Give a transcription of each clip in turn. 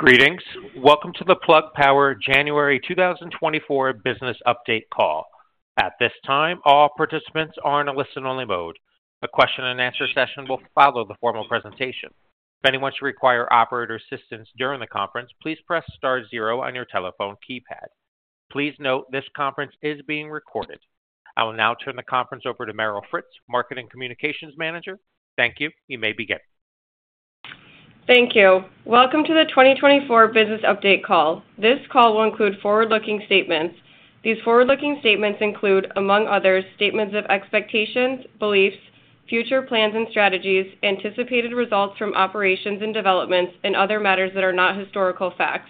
Greetings! Welcome to the Plug Power January 2024 Business Update Call. At this time, all participants are in a listen-only mode. A question and answer session will follow the formal presentation. If anyone should require operator assistance during the conference, please press star zero on your telephone keypad. Please note, this conference is being recorded. I will now turn the conference over to Meryl Fritz, Marketing Communications Manager. Thank you. You may begin. Thank you. Welcome to the 2024 Business Update Call. This call will include forward-looking statements. These forward-looking statements include, among others, statements of expectations, beliefs, future plans and strategies, anticipated results from operations and developments, and other matters that are not historical facts.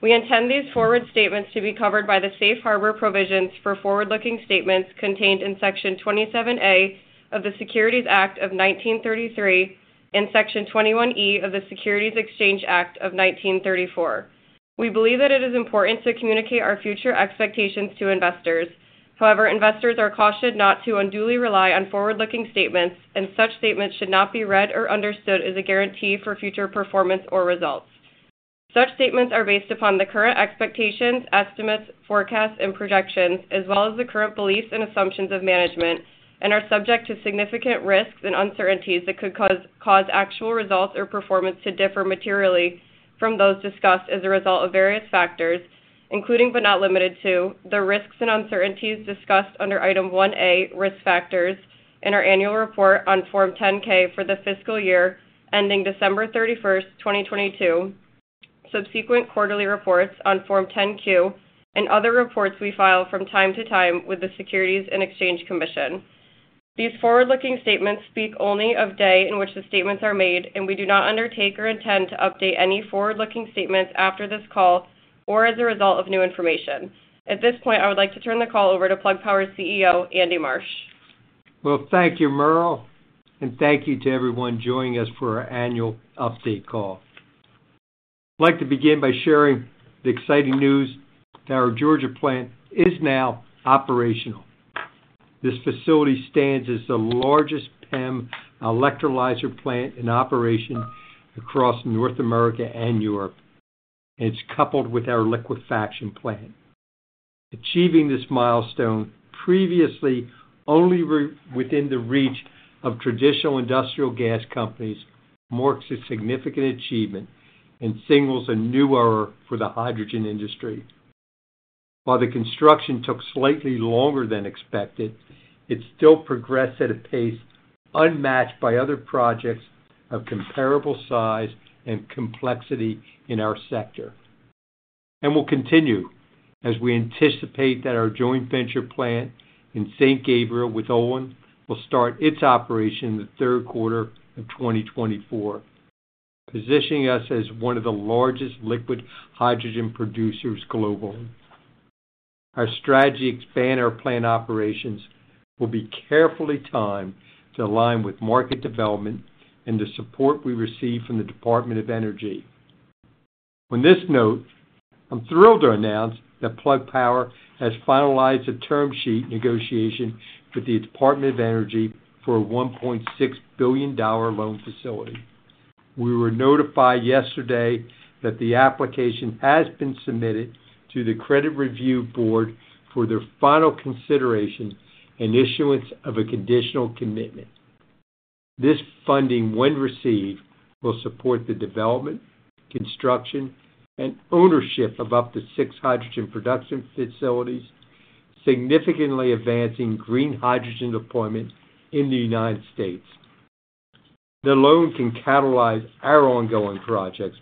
We intend these forward statements to be covered by the safe harbor provisions for forward-looking statements contained in Section 27A of the Securities Act of 1933 and Section 21E of the Securities Exchange Act of 1934. We believe that it is important to communicate our future expectations to investors. However, investors are cautioned not to unduly rely on forward-looking statements, and such statements should not be read or understood as a guarantee for future performance or results. Such statements are based upon the current expectations, estimates, forecasts, and projections, as well as the current beliefs and assumptions of management, and are subject to significant risks and uncertainties that could cause actual results or performance to differ materially from those discussed as a result of various factors, including but not limited to, the risks and uncertainties discussed under Item 1A, Risk Factors in our annual report on Form 10-K for the fiscal year ending December 31st, 2022, subsequent quarterly reports on Form 10-Q, and other reports we file from time to time with the Securities and Exchange Commission. These forward-looking statements speak only as of the day in which the statements are made, and we do not undertake or intend to update any forward-looking statements after this call or as a result of new information. At this point, I would like to turn the call over to Plug Power's CEO, Andy Marsh. Well, thank you, Meryl, and thank you to everyone joining us for our annual update call. I'd like to begin by sharing the exciting news that our Georgia plant is now operational. This facility stands as the largest PEM electrolyzer plant in operation across North America and Europe, and it's coupled with our liquefaction plant. Achieving this milestone, previously only within the reach of traditional industrial gas companies, marks a significant achievement and signals a new era for the hydrogen industry. While the construction took slightly longer than expected, it still progressed at a pace unmatched by other projects of comparable size and complexity in our sector. And will continue, as we anticipate that our joint venture plant in St. Gabriel with Olin, will start its operation in the third quarter of 2024, positioning us as one of the largest liquid hydrogen producers globally. Our strategy to expand our plant operations will be carefully timed to align with market development and the support we receive from the Department of Energy. On this note, I'm thrilled to announce that Plug Power has finalized a term sheet negotiation with the Department of Energy for a $1.6 billion loan facility. We were notified yesterday that the application has been submitted to the Credit Review Board for their final consideration and issuance of a conditional commitment. This funding, when received, will support the development, construction, and ownership of up to six hydrogen production facilities, significantly advancing green hydrogen deployment in the United States. The loan can catalyze our ongoing projects,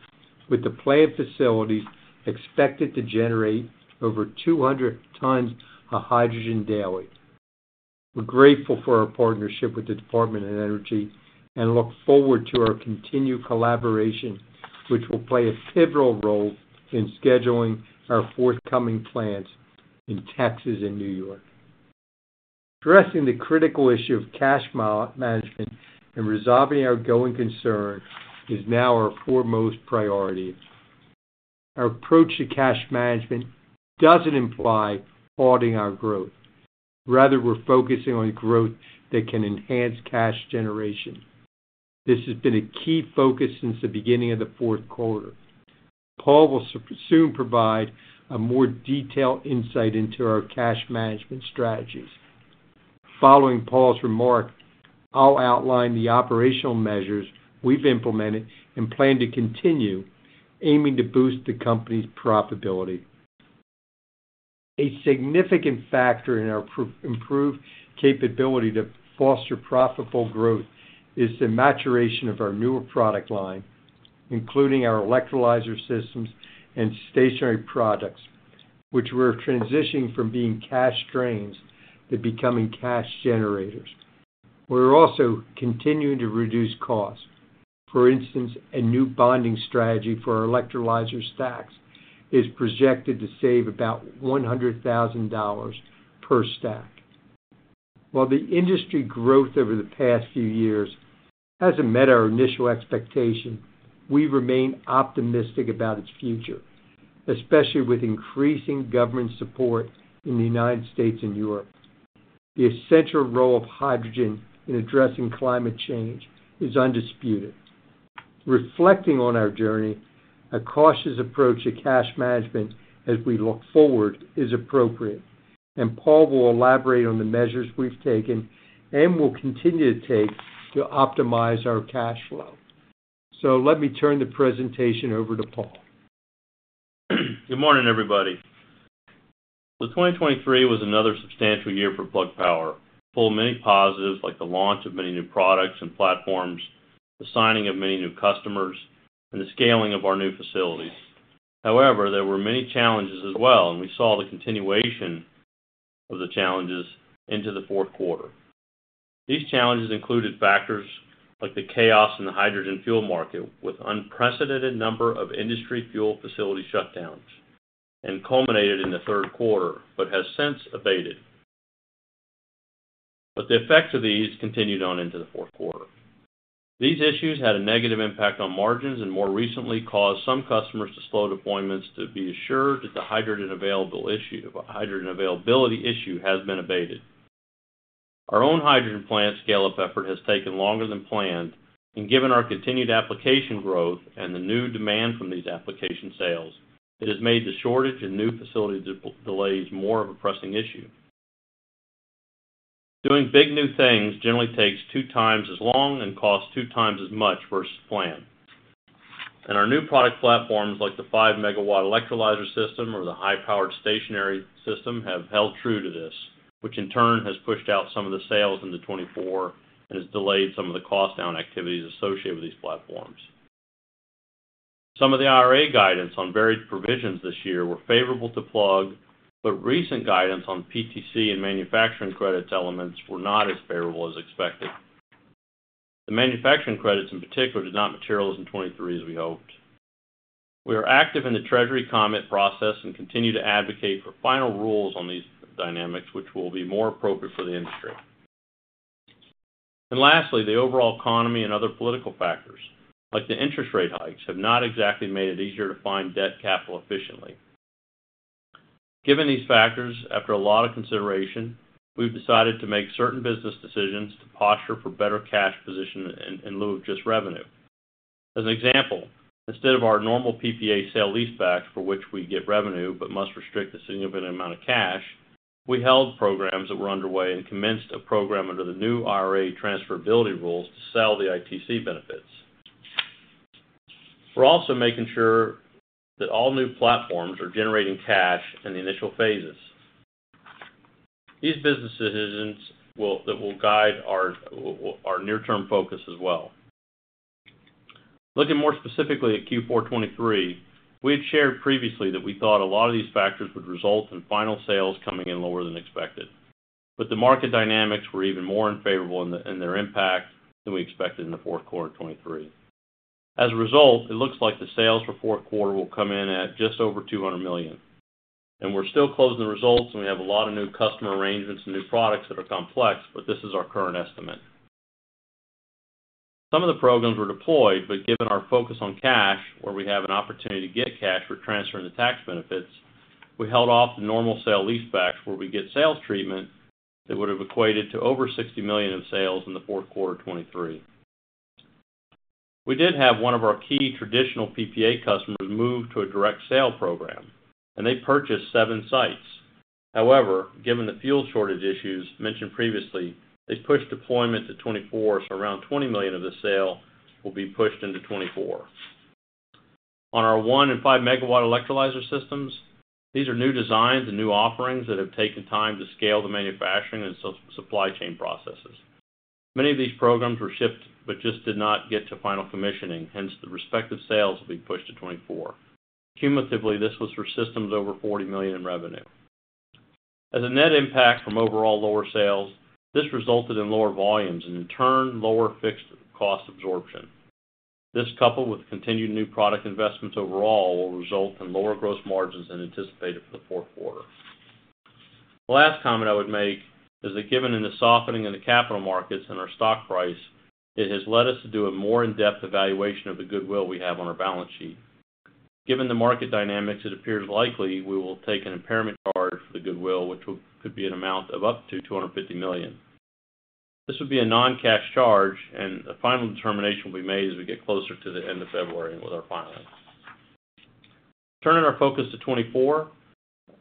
with the plant facilities expected to generate over 200 tons of hydrogen daily. We're grateful for our partnership with the Department of Energy and look forward to our continued collaboration, which will play a pivotal role in scheduling our forthcoming plants in Texas and New York. Addressing the critical issue of cash management and resolving our going concern is now our foremost priority. Our approach to cash management doesn't imply halting our growth. Rather, we're focusing on growth that can enhance cash generation. This has been a key focus since the beginning of the fourth quarter. Paul will soon provide a more detailed insight into our cash management strategies. Following Paul's remarks, I'll outline the operational measures we've implemented and plan to continue aiming to boost the company's profitability. A significant factor in our improved capability to foster profitable growth is the maturation of our newer product line, including our electrolyzer systems and stationary products, which we're transitioning from being cash drains to becoming cash generators. We're also continuing to reduce costs. For instance, a new bonding strategy for our electrolyzer stacks is projected to save about $100,000 per stack. While the industry growth over the past few years hasn't met our initial expectations, we remain optimistic about its future, especially with increasing government support in the United States and Europe. The essential role of hydrogen in addressing climate change is undisputed. Reflecting on our journey, a cautious approach to cash management as we look forward is appropriate, and Paul will elaborate on the measures we've taken and will continue to take to optimize our cash flow. Let me turn the presentation over to Paul. Good morning, everybody. So 2023 was another substantial year for Plug Power, full of many positives, like the launch of many new products and platforms, the signing of many new customers, and the scaling of our new facilities. However, there were many challenges as well, and we saw the continuation of the challenges into the fourth quarter. These challenges included factors like the chaos in the hydrogen fuel market, with unprecedented number of industry fuel facility shutdowns, and culminated in the third quarter, but has since abated. But the effects of these continued on into the fourth quarter. These issues had a negative impact on margins and more recently caused some customers to slow deployments to be assured that the hydrogen available issue, hydrogen availability issue has been abated. Our own hydrogen plant scale-up effort has taken longer than planned, and given our continued application growth and the new demand from these application sales, it has made the shortage in new facility delays more of a pressing issue. Doing big new things generally takes two times as long and costs two times as much versus plan. And our new product platforms, like the 5 MW electrolyzer system or the high-powered stationary system, have held true to this, which in turn has pushed out some of the sales into 2024 and has delayed some of the cost down activities associated with these platforms. Some of the IRA guidance on varied provisions this year were favorable to Plug, but recent guidance on PTC and manufacturing credits elements were not as favorable as expected. The manufacturing credits, in particular, did not materialize in 2023 as we hoped. We are active in the Treasury comment process and continue to advocate for final rules on these dynamics, which will be more appropriate for the industry. Lastly, the overall economy and other political factors, like the interest rate hikes, have not exactly made it easier to find debt capital efficiently. Given these factors, after a lot of consideration, we've decided to make certain business decisions to posture for better cash position in lieu of just revenue. As an example, instead of our normal PPA sale leaseback, for which we get revenue but must restrict a significant amount of cash, we held programs that were underway and commenced a program under the new IRA transferability rules to sell the ITC benefits. We're also making sure that all new platforms are generating cash in the initial phases. These business decisions that will guide our near-term focus as well. Looking more specifically at Q4 2023, we had shared previously that we thought a lot of these factors would result in final sales coming in lower than expected, but the market dynamics were even more unfavorable in their impact than we expected in the fourth quarter of 2023. As a result, it looks like the sales for fourth quarter will come in at just over $200 million, and we're still closing the results, and we have a lot of new customer arrangements and new products that are complex, but this is our current estimate. Some of the programs were deployed, but given our focus on cash, where we have an opportunity to get cash for transferring the tax benefits, we held off the normal sale-leasebacks, where we get sales treatment that would have equated to over $60 million in sales in the fourth quarter of 2023. We did have one of our key traditional PPA customers move to a direct sale program, and they purchased seven sites. However, given the fuel shortage issues mentioned previously, they pushed deployment to 2024, so around $20 million of the sale will be pushed into 2024. On our 1 MW and 5 MW electrolyzer systems, these are new designs and new offerings that have taken time to scale the manufacturing and supply chain processes. Many of these programs were shipped but just did not get to final commissioning, hence the respective sales will be pushed to 2024. Cumulatively, this was for systems over $40 million in revenue. As a net impact from overall lower sales, this resulted in lower volumes and, in turn, lower fixed cost absorption. This, coupled with continued new product investments overall, will result in lower gross margins than anticipated for the fourth quarter. The last comment I would make is that, given the softening of the capital markets and our stock price, it has led us to do a more in-depth evaluation of the goodwill we have on our balance sheet. Given the market dynamics, it appears likely we will take an impairment charge for the goodwill, which could be an amount of up to $250 million. This would be a non-cash charge, and a final determination will be made as we get closer to the end of February with our filings. Turning our focus to 2024,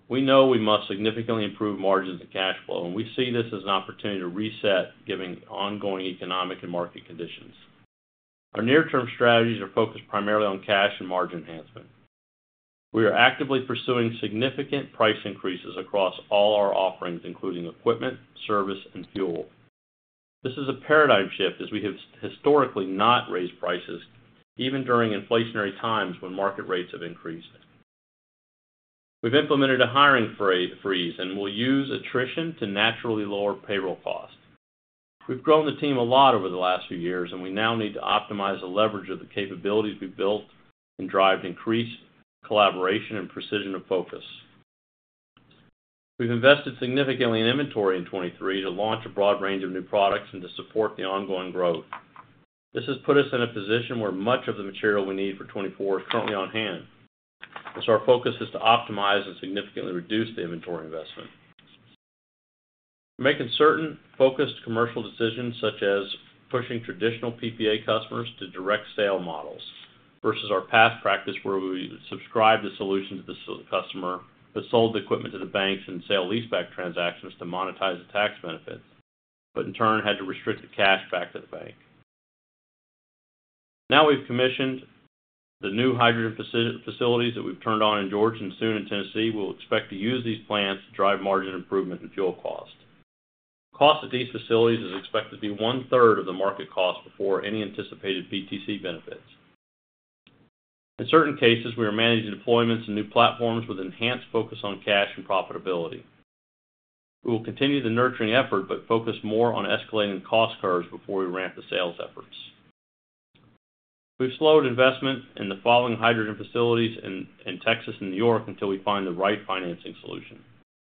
we know we must significantly improve margins and cash flow, and we see this as an opportunity to reset given ongoing economic and market conditions. Our near-term strategies are focused primarily on cash and margin enhancement. We are actively pursuing significant price increases across all our offerings, including equipment, service, and fuel. This is a paradigm shift, as we have historically not raised prices, even during inflationary times when market rates have increased. We've implemented a hiring freeze and will use attrition to naturally lower payroll costs. We've grown the team a lot over the last few years, and we now need to optimize the leverage of the capabilities we've built and drive increased collaboration and precision of focus. We've invested significantly in inventory in 2023 to launch a broad range of new products and to support the ongoing growth. This has put us in a position where much of the material we need for 2024 is currently on hand. So our focus is to optimize and significantly reduce the inventory investment. Making certain focused commercial decisions, such as pushing traditional PPA customers to direct sale models, versus our past practice, where we subscribed the solution to the customer, but sold the equipment to the banks and sale-leaseback transactions to monetize the tax benefits, but in turn, had to restrict the cash back to the bank. Now we've commissioned the new hydrogen facilities that we've turned on in Georgia, and soon in Tennessee, we'll expect to use these plants to drive margin improvement and fuel cost. Cost of these facilities is expected to be 1/3 of the market cost before any anticipated PTC benefits. In certain cases, we are managing deployments and new platforms with enhanced focus on cash and profitability. We will continue the nurturing effort, but focus more on escalating cost curves before we ramp the sales efforts. We've slowed investment in the following hydrogen facilities in Texas and New York until we find the right financing solution.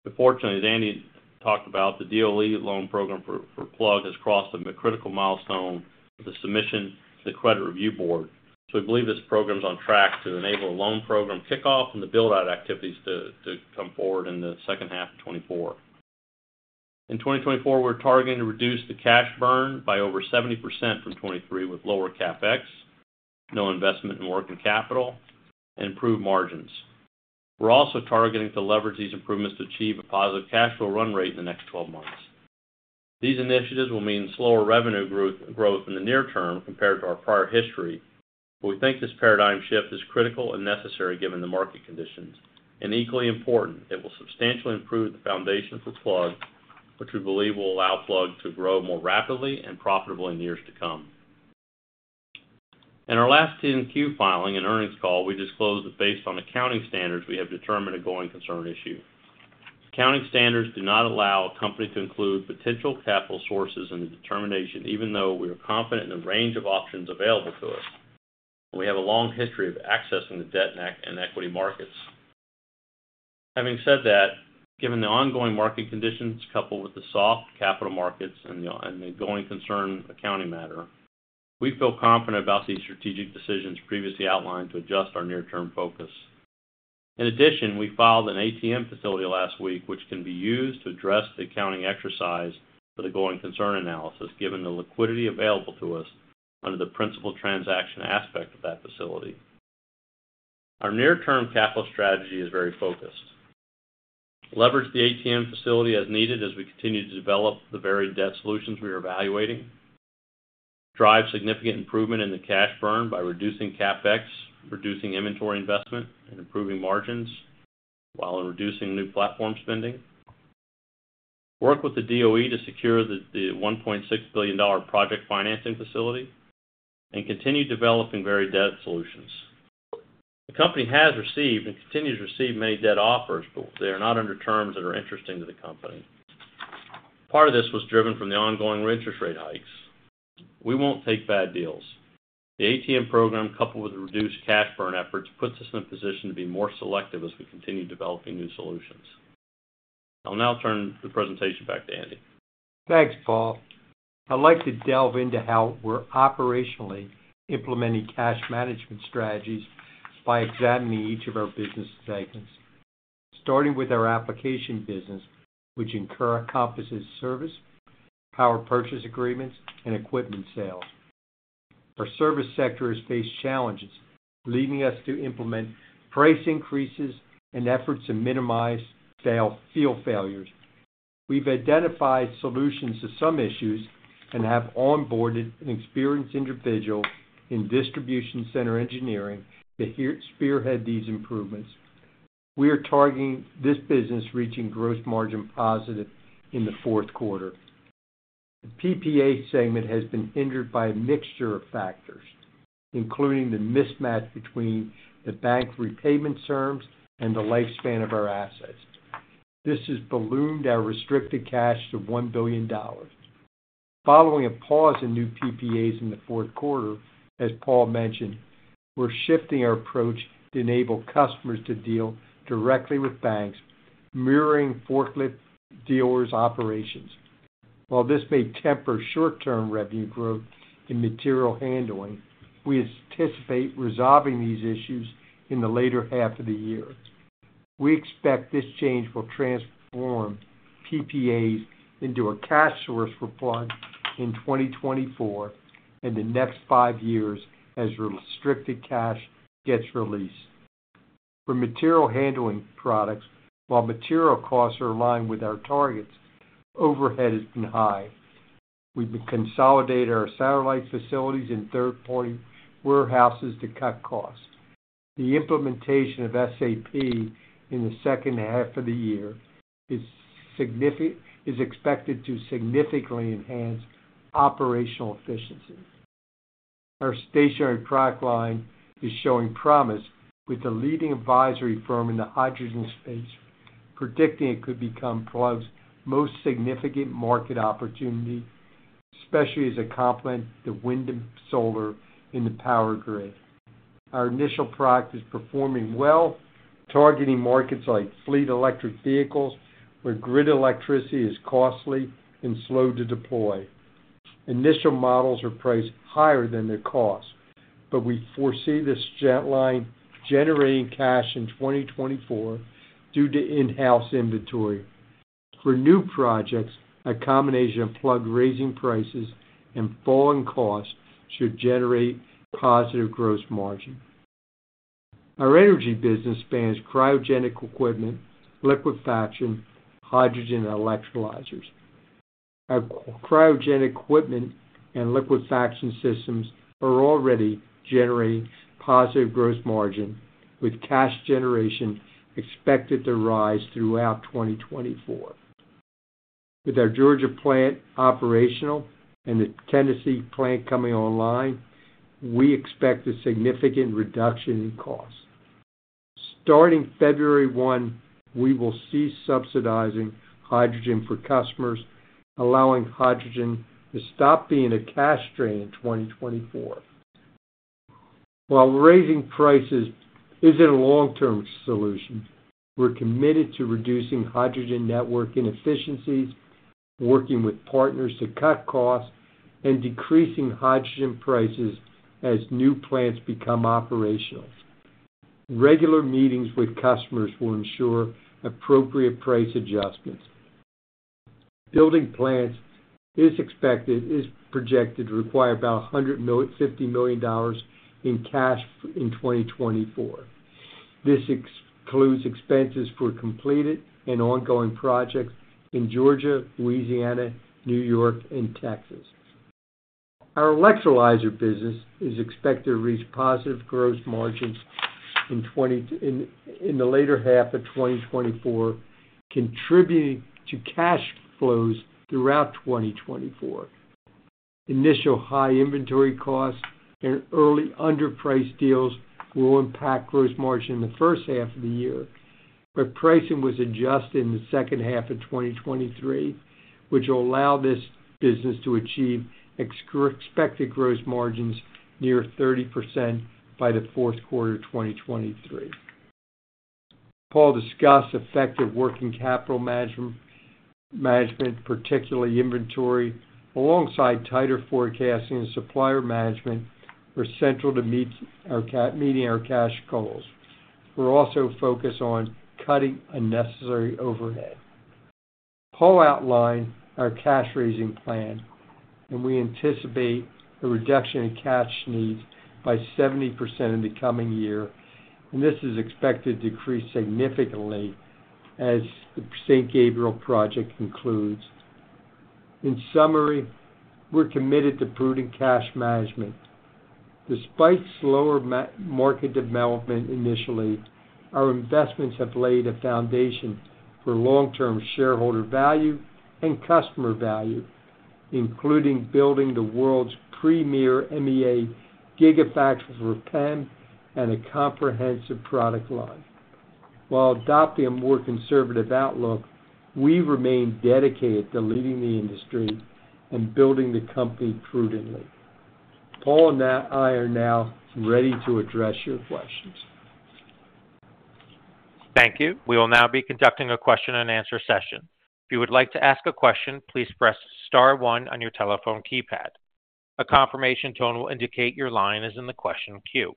But fortunately, as Andy talked about, the DOE loan program for Plug has crossed a critical milestone with the submission to the Credit Review Board. So we believe this program is on track to enable a loan program kickoff and the build-out activities to come forward in the second half of 2024. In 2024, we're targeting to reduce the cash burn by over 70% from 2023, with lower CapEx, no investment in working capital, and improved margins. We're also targeting to leverage these improvements to achieve a positive cash flow run rate in the next 12 months. These initiatives will mean slower revenue growth, growth in the near term compared to our prior history, but we think this paradigm shift is critical and necessary given the market conditions. And equally important, it will substantially improve the foundation for Plug, which we believe will allow Plug to grow more rapidly and profitably in years to come. In our last 10-Q filing and earnings call, we disclosed that based on accounting standards, we have determined a going concern issue. Accounting standards do not allow a company to include potential capital sources in the determination, even though we are confident in the range of options available to us. We have a long history of accessing the debt and equity markets. Having said that, given the ongoing market conditions, coupled with the soft capital markets and the going concern accounting matter, we feel confident about these strategic decisions previously outlined to adjust our near-term focus. In addition, we filed an ATM facility last week, which can be used to address the accounting exercise for the going concern analysis, given the liquidity available to us under the principal transaction aspect of that facility. Our near-term capital strategy is very focused. Leverage the ATM facility as needed as we continue to develop the varied debt solutions we are evaluating. Drive significant improvement in the cash burn by reducing CapEx, reducing inventory investment, and improving margins, while reducing new platform spending. Work with the DOE to secure the $1.6 billion project financing facility, and continue developing varied debt solutions. The company has received and continues to receive many debt offers, but they are not under terms that are interesting to the company. Part of this was driven from the ongoing interest rate hikes. We won't take bad deals. The ATM program, coupled with the reduced cash burn efforts, puts us in a position to be more selective as we continue developing new solutions. I'll now turn the presentation back to Andy. Thanks, Paul. I'd like to delve into how we're operationally implementing cash management strategies by examining each of our business segments, starting with our application business, which in turn encompasses service, power purchase agreements, and equipment sales. Our service sector has faced challenges, leading us to implement price increases and efforts to minimize cell field failures. We've identified solutions to some issues and have onboarded an experienced individual in distribution center engineering to spearhead these improvements. We are targeting this business, reaching gross margin positive in the fourth quarter. The PPA segment has been hindered by a mixture of factors, including the mismatch between the bank repayment terms and the lifespan of our assets. This has ballooned our restricted cash to $1 billion. Following a pause in new PPAs in the fourth quarter, as Paul mentioned, we're shifting our approach to enable customers to deal directly with banks, mirroring forklift dealers' operations. While this may temper short-term revenue growth in material handling, we anticipate resolving these issues in the later half of the year. We expect this change will transform PPAs into a cash source for Plug in 2024 and the next five years as restricted cash gets released. For material handling products, while material costs are aligned with our targets, overhead has been high. We've been consolidating our satellite facilities in third-party warehouses to cut costs. The implementation of SAP in the second half of the year is expected to significantly enhance operational efficiency. Our stationary product line is showing promise, with the leading advisory firm in the hydrogen space predicting it could become Plug's most significant market opportunity, especially as a complement to wind and solar in the power grid. Our initial product is performing well, targeting markets like fleet electric vehicles, where grid electricity is costly and slow to deploy. Initial models are priced higher than their cost, but we foresee this Gen line generating cash in 2024 due to in-house inventory. For new projects, a combination of Plug raising prices and falling costs should generate positive gross margin. Our energy business spans cryogenic equipment, liquefaction, hydrogen, and electrolyzers. Our cryogenic equipment and liquefaction systems are already generating positive gross margin, with cash generation expected to rise throughout 2024. With our Georgia plant operational and the Tennessee plant coming online, we expect a significant reduction in costs. Starting February 1, we will cease subsidizing hydrogen for customers, allowing hydrogen to stop being a cash drain in 2024. While raising prices isn't a long-term solution, we're committed to reducing hydrogen network inefficiencies, working with partners to cut costs, and decreasing hydrogen prices as new plants become operational. Regular meetings with customers will ensure appropriate price adjustments. Building plants is projected to require about $50 million in cash in 2024. This includes expenses for completed and ongoing projects in Georgia, Louisiana, New York, and Texas. Our electrolyzer business is expected to reach positive gross margins in the later half of 2024, contributing to cash flows throughout 2024. Initial high inventory costs and early underpriced deals will impact gross margin in the first half of the year, but pricing was adjusted in the second half of 2023, which will allow this business to achieve expected gross margins near 30% by the fourth quarter of 2023. Paul discussed effective working capital management, particularly inventory, alongside tighter forecasting and supplier management, were central to meeting our cash goals. We're also focused on cutting unnecessary overhead. Paul outlined our cash raising plan, and we anticipate a reduction in cash needs by 70% in the coming year, and this is expected to decrease significantly as the St. Gabriel project concludes. In summary, we're committed to prudent cash management. Despite slower market development initially, our investments have laid a foundation for long-term shareholder value and customer value, including building the world's premier MEA gigafactory PEM and a comprehensive product line. While adopting a more conservative outlook, we remain dedicated to leading the industry and building the company prudently. Paul and I are now ready to address your questions. Thank you. We will now be conducting a question-and-answer session. If you would like to ask a question, please press star one on your telephone keypad. A confirmation tone will indicate your line is in the question queue.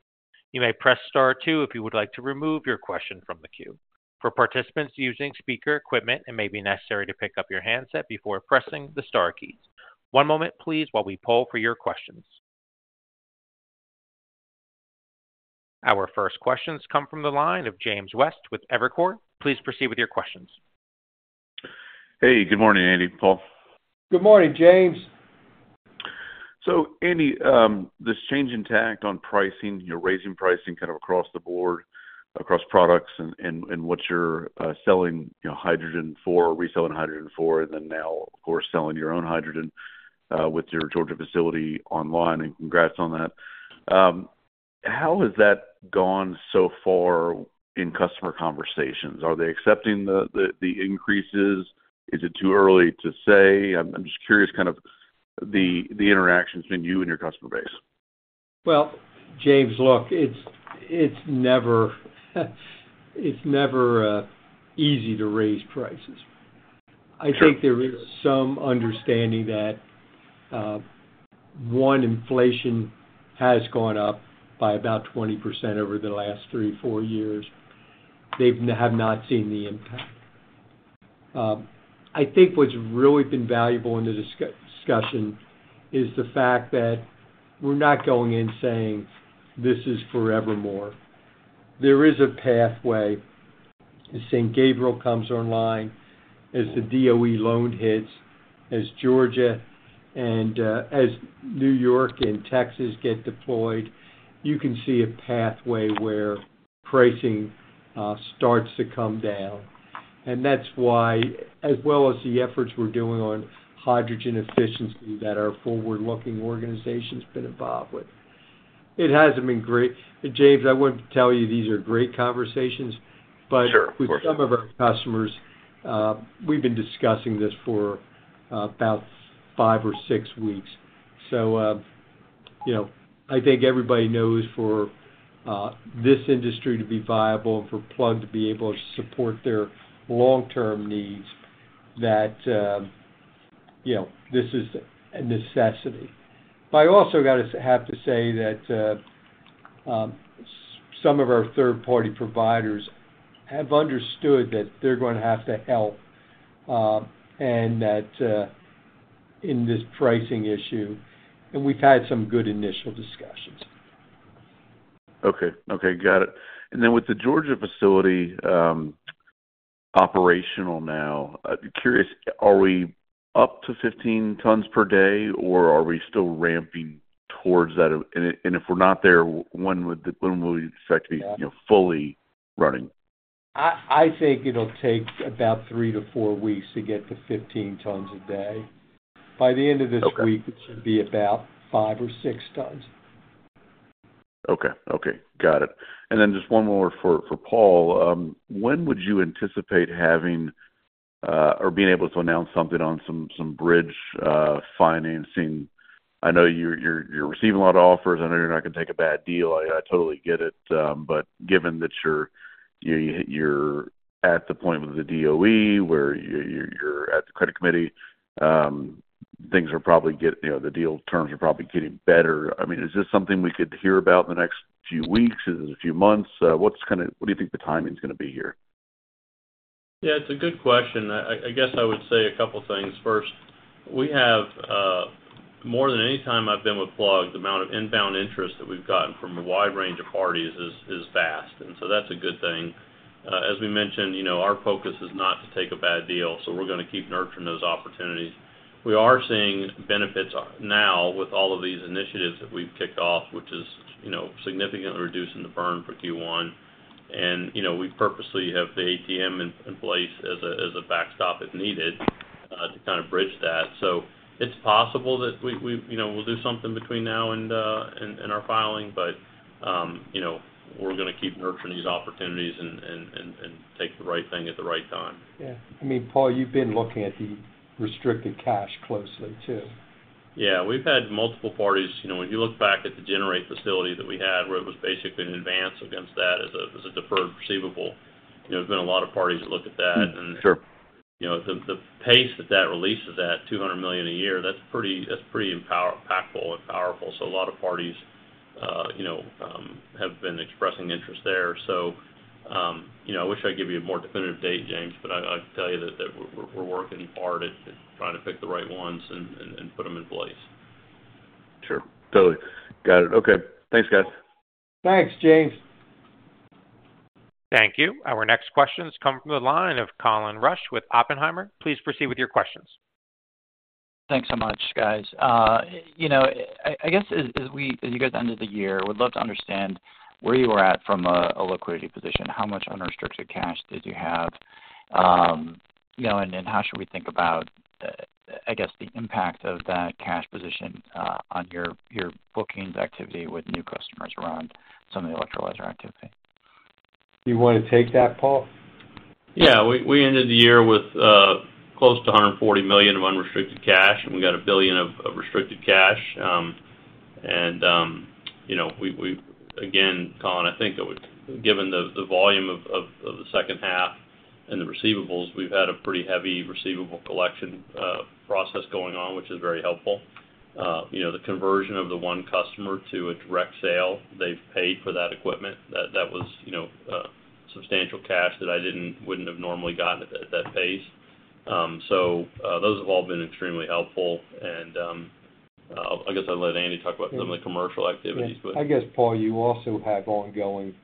You may press star two if you would like to remove your question from the queue. For participants using speaker equipment, it may be necessary to pick up your handset before pressing the star keys. One moment please while we poll for your questions. Our first questions come from the line of James West with Evercore. Please proceed with your questions. Hey, good morning, Andy, Paul. Good morning, James. So Andy, this change in tack on pricing, you're raising pricing kind of across the board, across products and what you're selling, you know, hydrogen for, reselling hydrogen for, and then now, of course, selling your own hydrogen with your Georgia facility online. And congrats on that. How has that gone so far in customer conversations? Are they accepting the increases? Is it too early to say? I'm just curious, kind of the interactions between you and your customer base. Well, James, look, it's never easy to raise prices. I think there is some understanding that inflation has gone up by about 20% over the last three to four years. They have not seen the impact. I think what's really been valuable in the discussion is the fact that we're not going in saying this is forevermore. There is a pathway. As St. Gabriel comes online, as the DOE loan hits, as Georgia and as New York and Texas get deployed, you can see a pathway where pricing starts to come down. And that's why, as well as the efforts we're doing on hydrogen efficiency, that our forward-looking organization's been involved with. It hasn't been great. James, I wouldn't tell you these are great conversations, but- Sure. With some of our customers, we've been discussing this for about five or six weeks. You know, I think everybody knows for this industry to be viable and for Plug to be able to support their long-term needs, that this is a necessity. But I also have to say that some of our third-party providers have understood that they're going to have to help, and that in this pricing issue, and we've had some good initial discussions. Okay. Okay, got it. And then with the Georgia facility operational now, I'd be curious, are we up to 15 tons per day, or are we still ramping towards that? And if we're not there, when will you expect to be, you know, fully running? I think it'll take about 3-4 weeks to get to 15 tons a day. Okay. By the end of this week, it should be about 5 or 6 tons. Okay. Okay, got it. And then just one more for Paul. When would you anticipate having or being able to announce something on some bridge financing? I know you're receiving a lot of offers. I know you're not going to take a bad deal. I totally get it. But given that you're at the point with the DOE, where you're at the credit committee, things are probably getting- you know, the deal terms are probably getting better. I mean, is this something we could hear about in the next few weeks, is it a few months? What's kind of- what do you think the timing is going to be here? Yeah, it's a good question. I guess I would say a couple things. First, we have more than any time I've been with Plug, the amount of inbound interest that we've gotten from a wide range of parties is vast, and so that's a good thing. As we mentioned, you know, our focus is not to take a bad deal, so we're going to keep nurturing those opportunities. We are seeing benefits now with all of these initiatives that we've kicked off, which is, you know, significantly reducing the burn for Q1. And, you know, we purposely have the ATM in place as a backstop, if needed, to kind of bridge that. So it's possible that we, you know, we'll do something between now and our filing, but, you know, we're going to keep nurturing these opportunities and take the right thing at the right time. Yeah. I mean, Paul, you've been looking at the restricted cash closely, too. Yeah, we've had multiple parties. You know, when you look back at the GenDrive facility that we had, where it was basically an advance against that as a, as a deferred receivable, you know, there's been a lot of parties that look at that. Mm-hmm. Sure. You know, the pace that releases at, $200 million a year, that's pretty impactful and powerful. So a lot of parties, you know, have been expressing interest there. So, you know, I wish I could give you a more definitive date, James, but I can tell you that we're working hard at trying to pick the right ones and put them in place. Sure. Totally. Got it. Okay. Thanks, guys. Thanks, James. Thank you. Our next question is coming from the line of Colin Rusch with Oppenheimer. Please proceed with your questions. Thanks so much, guys. You know, I guess, as you get to the end of the year, would love to understand where you were at from a liquidity position. How much unrestricted cash did you have? You know, and how should we think about the, I guess, the impact of that cash position on your bookings activity with new customers around some of the electrolyzer activity? You want to take that, Paul? Yeah. We ended the year with close to $140 million of unrestricted cash, and we got $1 billion of restricted cash. And you know, we again, Colin, I think that would given the volume of the second half and the receivables, we've had a pretty heavy receivable collection process going on, which is very helpful. You know, the conversion of the one customer to a direct sale, they've paid for that equipment. That was you know substantial cash that I wouldn't have normally gotten at that pace. So those have all been extremely helpful. And I guess I'll let Andy talk about some of the commercial activities, but- I guess, Paul, you also have ongoing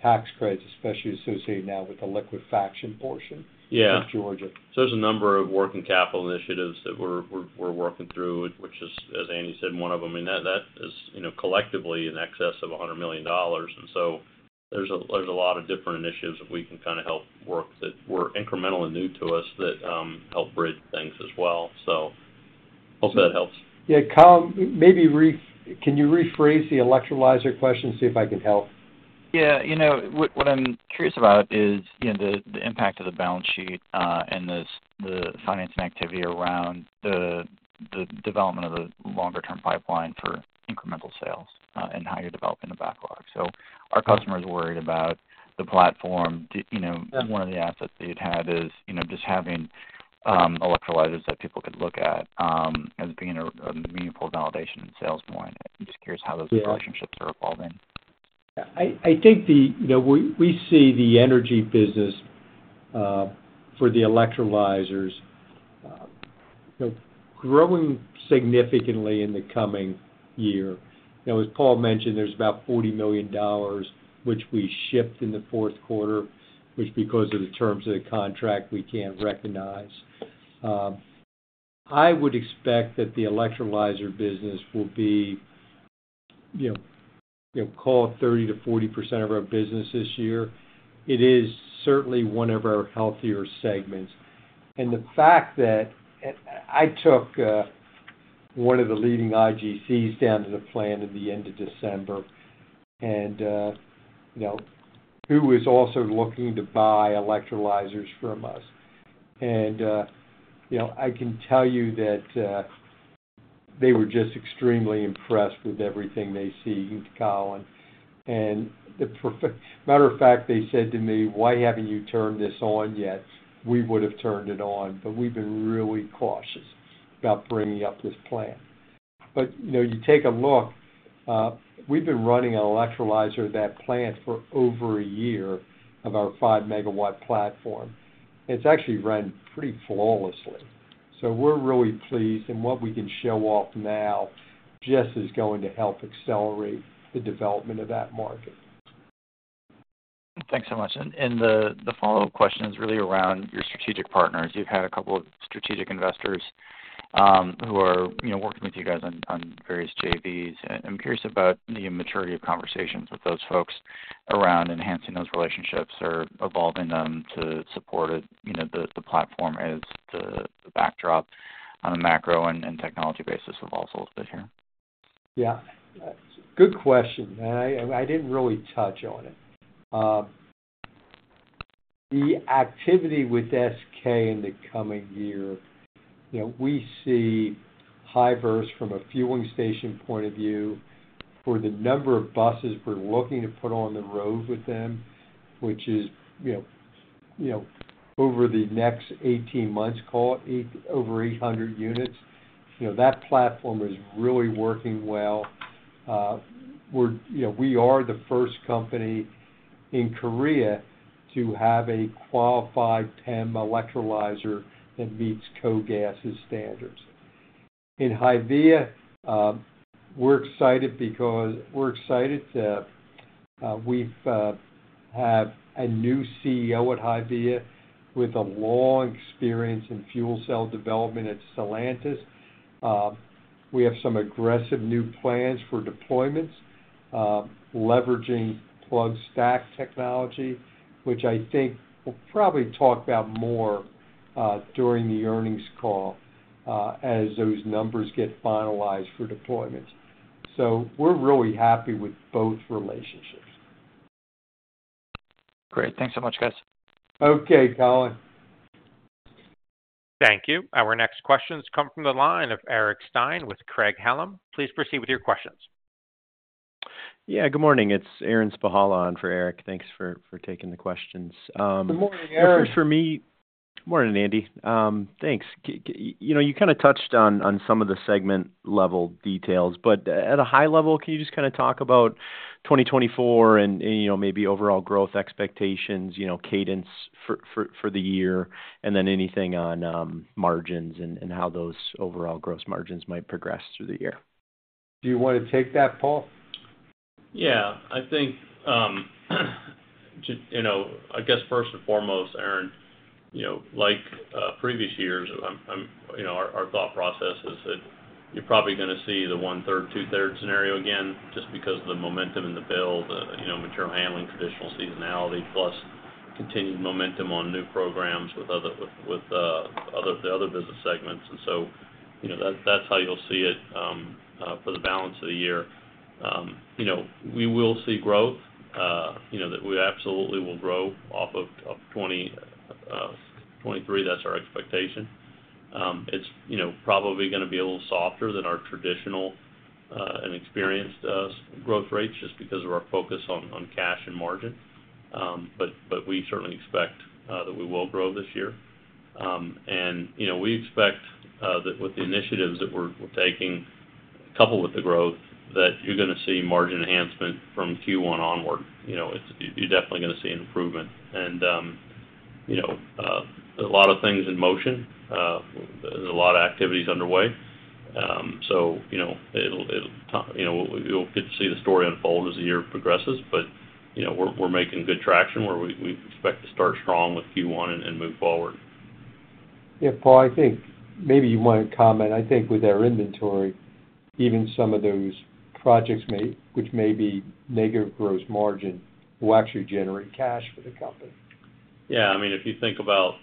tax credits, especially associated now with the liquefaction portion- Yeah - of Georgia. So there's a number of working capital initiatives that we're working through, which is, as Andy said, one of them. I mean, that is, you know, collectively in excess of $100 million. And so there's a lot of different initiatives that we can kind of help work, that were incremental and new to us, that help bridge things as well. So hopefully that helps. Yeah, Colin, maybe, can you rephrase the electrolyzer question? See if I can help? Yeah, you know, what I'm curious about is, you know, the impact of the balance sheet, and the financing activity around the development of the longer-term pipeline for incremental sales, and how you're developing the backlog. So our customers are worried about the platform. You know- Yeah... one of the assets that you'd had is, you know, just having, electrolyzers that people could look at, as being a meaningful validation and sales point. I'm just curious how those- Yeah - relationships are evolving. I think the... You know, we see the energy business, for the electrolyzers, you know, growing significantly in the coming year. You know, as Paul mentioned, there's about $40 million, which we shipped in the fourth quarter, which, because of the terms of the contract, we can't recognize. I would expect that the electrolyzer business will be, you know, call it 30%-40% of our business this year. It is certainly one of our healthier segments. And the fact that I took one of the leading IGCs down to the plant at the end of December, and, you know, who was also looking to buy electrolyzers from us. And, you know, I can tell you that they were just extremely impressed with everything they see, Colin. Matter of fact, they said to me, "Why haven't you turned this on yet? We would have turned it on, but we've been really cautious about bringing up this plan." But, you know, you take a look, we've been running an electrolyzer at that plant for over a year of our 5 MW platform. It's actually run pretty flawlessly. So we're really pleased, and what we can show off now just is going to help accelerate the development of that market. Thanks so much. And the follow-up question is really around your strategic partners. You've had a couple of strategic investors who are, you know, working with you guys on various JVs. And I'm curious about the maturity of conversations with those folks around enhancing those relationships or evolving them to support, you know, the platform as the backdrop on a macro and technology basis we've also listed here. Yeah. Good question, and I, I didn't really touch on it. The activity with SK in the coming year, you know, we see Hyverse from a fueling station point of view, for the number of buses we're looking to put on the road with them, which is, you know, you know, over the next 18 months, call it over 800 units. You know, that platform is really working well. We're, you know, we are the first company in Korea to have a qualified PEM electrolyzer that meets KOGAS's standards. In HYVIA, we're excited because... We're excited to, we've have a new CEO at HYVIA with a long experience in fuel cell development at Stellantis. We have some aggressive new plans for deployments, leveraging plug stack technology, which I think we'll probably talk about more during the earnings call as those numbers get finalized for deployment. So we're really happy with both relationships. Great. Thanks so much, guys. Okay, Colin. Thank you. Our next questions come from the line of Aaron Spychalla with Craig-Hallum. Please proceed with your questions. Yeah, good morning. It's Aaron Spychalla on for Eric. Thanks for, for taking the questions. Good morning, Aaron. First for me... Morning, Andy. Thanks. You know, you kind of touched on some of the segment-level details, but at a high level, can you just kind of talk about 2024 and, you know, maybe overall growth expectations, you know, cadence for the year, and then anything on margins and how those overall gross margins might progress through the year? Do you want to take that, Paul? Yeah, I think, to, you know, I guess first and foremost, Aaron, you know, like, previous years, you know, our, our thought process is that you're probably going to see the 1/3, 2/3 scenario again, just because of the momentum in the build, the, you know, material handling, traditional seasonality, plus continued momentum on new programs with other, with, with, other, the other business segments. And so, you know, that's how you'll see it, for the balance of the year. You know, we will see growth, you know, that we absolutely will grow off of, of 2023. That's our expectation. It's, you know, probably gonna be a little softer than our traditional, and experienced, growth rates just because of our focus on, on cash and margin. But we certainly expect that we will grow this year. You know, we expect that with the initiatives that we're taking, coupled with the growth, that you're gonna see margin enhancement from Q1 onward. You know, it's. You're definitely gonna see an improvement. And, you know, a lot of things in motion, there's a lot of activities underway. So, you know, it'll, you know, we'll get to see the story unfold as the year progresses, but, you know, we're making good traction, where we expect to start strong with Q1 and move forward. Yeah, Paul, I think maybe you might comment. I think with our inventory, even some of those projects, which may be negative gross margin, will actually generate cash for the company. Yeah, I mean, if you think about,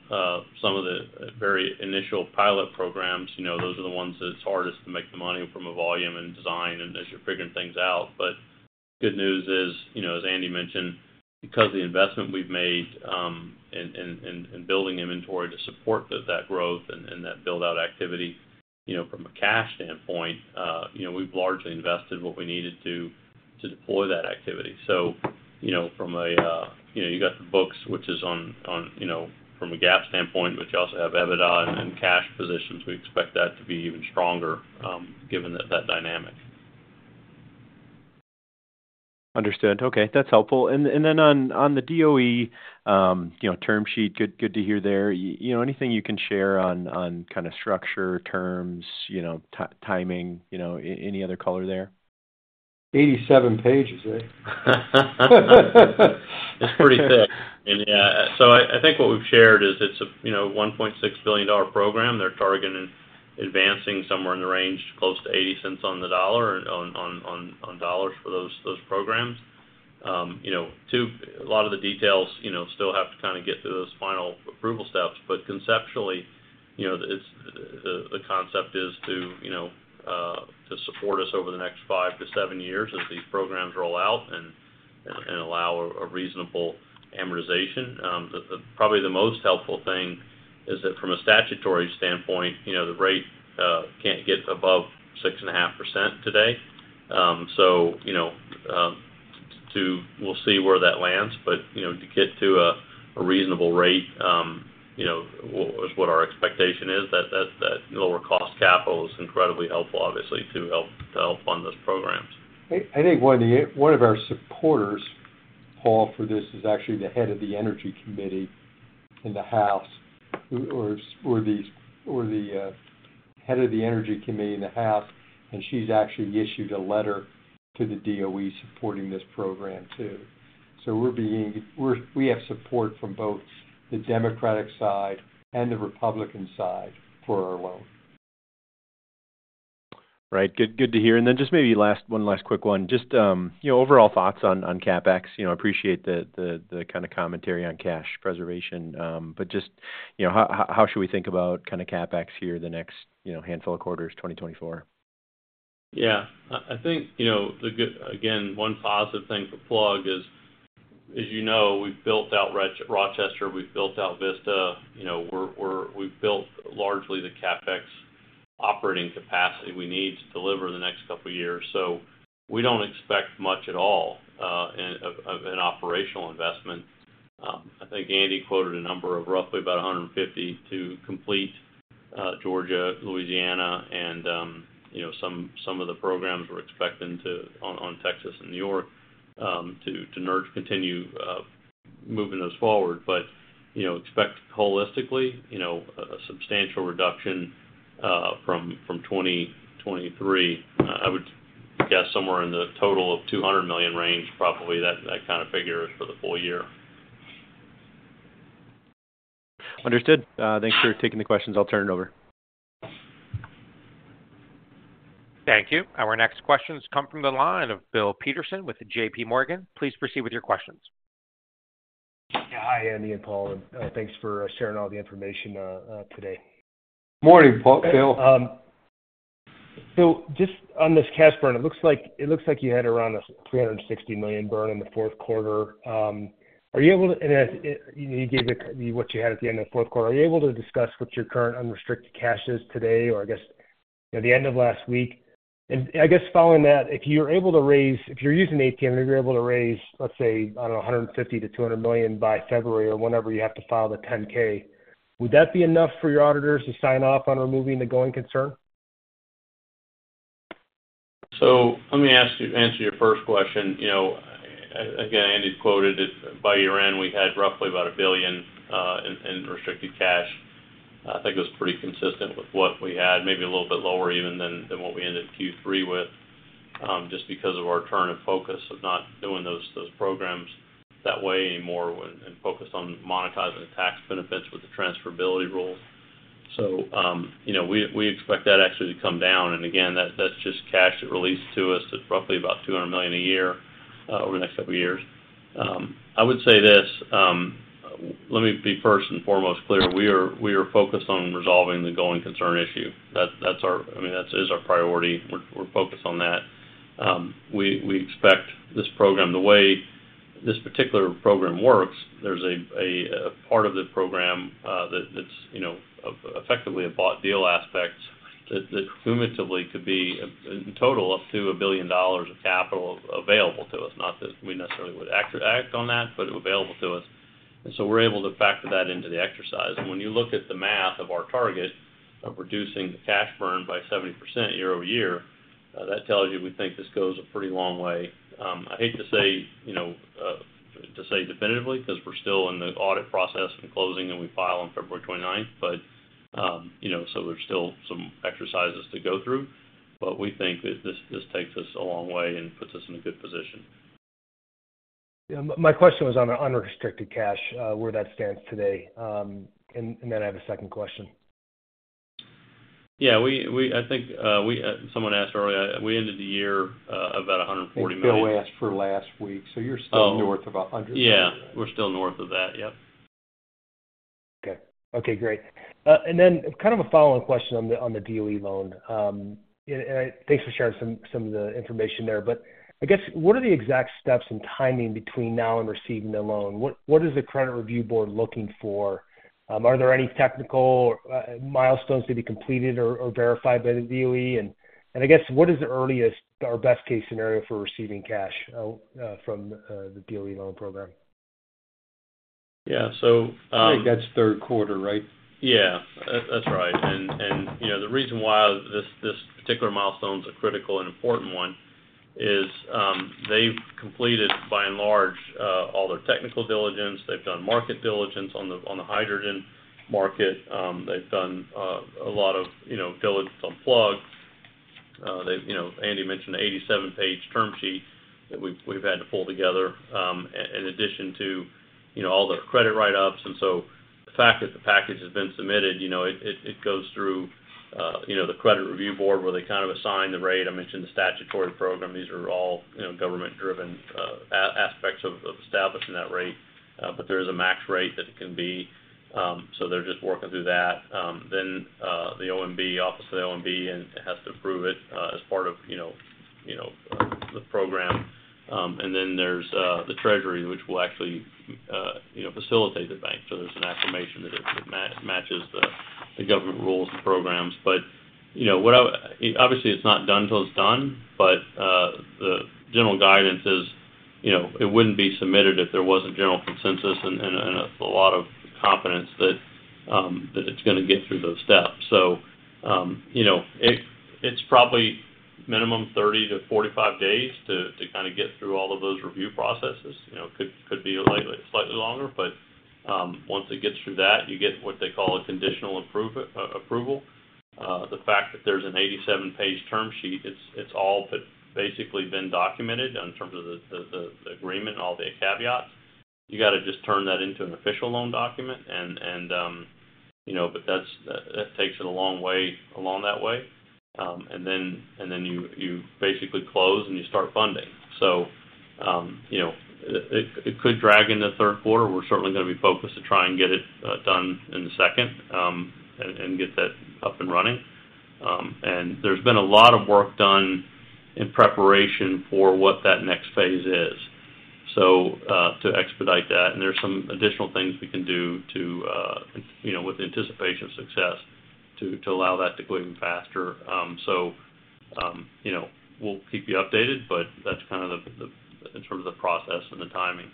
some of the very initial pilot programs, you know, those are the ones that it's hardest to make the money from a volume and design and as you're figuring things out. But good news is, you know, as Andy mentioned, because of the investment we've made, in building inventory to support that growth and that build-out activity, you know, from a cash standpoint, you know, we've largely invested what we needed to, to deploy that activity. So, you know, from a, you know, you got the books, which is on, you know, from a GAAP standpoint, but you also have EBITDA and cash positions. We expect that to be even stronger, given that dynamic. Understood. Okay, that's helpful. And then on the DOE, you know, term sheet, good to hear there. You know, anything you can share on kind of structure, terms, you know, timing, you know, any other color there? 87 pages, right? It's pretty thick. And, yeah, so I think what we've shared is it's a $1.6 billion program. They're targeting advancing somewhere in the range close to $0.80 on the dollar on dollars for those programs. You know, too, a lot of the details still have to kind of get through those final approval steps, but conceptually, you know, the concept is to support us over the next five to seven years as these programs roll out and allow a reasonable amortization. Probably the most helpful thing is that from a statutory standpoint, you know, the rate can't get above 6.5% today. So, you know, we'll see where that lands, but, you know, to get to a reasonable rate, you know, is what our expectation is, that lower-cost capital is incredibly helpful, obviously, to help fund those programs. I think one of our supporters, Paul, for this, is actually the head of the Energy Committee in the House, and she's actually issued a letter to the DOE supporting this program, too. So we have support from both the Democratic side and the Republican side for our loan. Right. Good, good to hear. And then just maybe last one last quick one: Just, you know, overall thoughts on CapEx. You know, I appreciate the kind of commentary on cash preservation, but just, you know, how should we think about kind of CapEx here the next, you know, handful of quarters, 2024? Yeah. I think, you know, the good again, one positive thing for Plug is, as you know, we've built out Rochester, we've built out Vista. You know, we're we've built largely the CapEx operating capacity we need to deliver in the next couple of years. So we don't expect much at all in of an operational investment. I think Andy quoted a number of roughly about 150 to complete Georgia, Louisiana, and, you know, some of the programs we're expecting to on Texas and New York to continue moving those forward. But, you know, expect holistically, you know, a substantial reduction from 2023. I would guess somewhere in the total of $200 million range, probably that kind of figure is for the full year. Understood. Thanks for taking the questions. I'll turn it over. Thank you. Our next questions come from the line of Bill Peterson with JPMorgan. Please proceed with your questions. Yeah. Hi, Andy and Paul, and thanks for sharing all the information today. Morning, Paul, Bill. So just on this cash burn, it looks like you had around $360 million burn in the fourth quarter. Are you able to discuss what your current unrestricted cash is today, or I guess, you know, the end of last week? And as you gave it, what you had at the end of the fourth quarter. And I guess following that, if you're able to raise—if you're using ATM, and you're able to raise, let's say, I don't know, $150 million-$200 million by February or whenever you have to file the 10-K, would that be enough for your auditors to sign off on removing the going concern? So let me ask you, answer your first question. You know, again, Andy quoted it. By year-end, we had roughly about $1 billion in restricted cash. I think it was pretty consistent with what we had, maybe a little bit lower even than what we ended Q3 with, just because of our turn of focus of not doing those programs that way anymore and focused on monetizing the tax benefits with the transferability rules. So, you know, we expect that actually to come down, and again, that's just cash that released to us at roughly about $200 million a year over the next couple of years. I would say this, let me be first and foremost clear: We are focused on resolving the Going Concern issue. That's our... I mean, that is our priority. We're focused on that. We expect this program, the way this particular program works, there's a part of the program that, that's, you know, effectively a bought deal aspect that cumulatively could be, in total, up to $1 billion of capital available to us, not that we necessarily would act on that, but available to us. And so we're able to factor that into the exercise. And when you look at the math of our target of reducing the cash burn by 70% year-over-year, that tells you we think this goes a pretty long way. I hate to say, you know, to say definitively, because we're still in the audit process and closing, and we file on February 29th, but, you know, so there's still some exercises to go through, but we think that this, this takes us a long way and puts us in a good position. Yeah. My question was on the unrestricted cash, where that stands today? And then I have a second question. Yeah, I think someone asked earlier, we ended the year about $140 million. Bill asked for last week, so you're still- Oh. north of $100 million. Yeah, we're still north of that. Yep. Okay. Okay, great. And then kind of a follow-on question on the DOE loan. And thanks for sharing some of the information there. But I guess, what are the exact steps and timing between now and receiving the loan? What is the credit review board looking for? Are there any technical milestones to be completed or verified by the DOE? And I guess, what is the earliest or best-case scenario for receiving cash out from the DOE loan program? Yeah. So, I think that's third quarter, right? Yeah. That's right. And, you know, the reason why this particular milestone is a critical and important one is, they've completed, by and large, all their technical diligence. They've done market diligence on the hydrogen market. They've done a lot of, you know, diligence on Plug. They've, you know, Andy mentioned the 87-page term sheet that we've had to pull together, in addition to, you know, all the credit write-ups. And so the fact that the package has been submitted, you know, it goes through the credit review board, where they kind of assign the rate. I mentioned the statutory program. These are all, you know, government-driven aspects of establishing that rate. But there is a max rate that it can be. So they're just working through that. Then the OMB, Office of Management and Budget, has to approve it as part of, you know, the program. And then there's the Treasury, which will actually facilitate the bank. So there's an affirmation that it matches the government rules and programs. But, you know, obviously, it's not done till it's done, but the general guidance is, you know, it wouldn't be submitted if there wasn't general consensus and a lot of confidence that it's going to get through those steps. So, you know, it's probably minimum 30-45 days to kind of get through all of those review processes. You know, could be slightly longer, but once it gets through that, you get what they call a conditional approval. The fact that there's an 87-page term sheet, it's all but basically been documented in terms of the agreement and all the caveats. You got to just turn that into an official loan document and, you know, but that's—that takes it a long way along that way. And then you basically close, and you start funding. So, you know, it could drag into the third quarter. We're certainly going to be focused to try and get it done in the second, and get that up and running. And there's been a lot of work done in preparation for what that next phase is. So, to expedite that, and there's some additional things we can do to, you know, with the anticipation of success, to allow that to go even faster. You know, we'll keep you updated, but that's kind of the in terms of the process and the timing.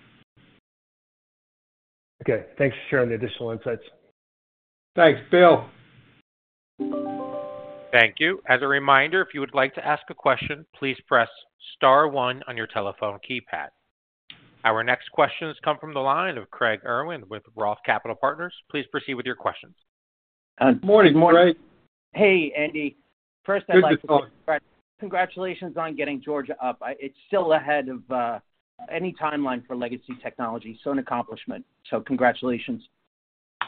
Okay. Thanks for sharing the additional insights. Thanks, Bill. Thank you. As a reminder, if you would like to ask a question, please press Star One on your telephone keypad. Our next questions come from the line of Craig Irwin with Roth Capital Partners. Please proceed with your questions. Good morning, Craig. Hey, Andy. First, I'd like to- Good to see you. Congratulations on getting Georgia up. It's still ahead of any timeline for legacy technology, so an accomplishment. So congratulations.